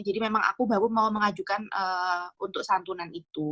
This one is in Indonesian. jadi memang aku baru mau mengajukan untuk santunan itu